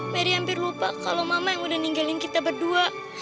peri hampir lupa kalau mama yang udah ninggalin kita berdua